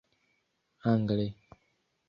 angle